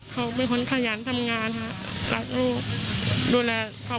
เขาเป็นคนขยันทำงานครับรักลูกดูแลครอบครัวครับ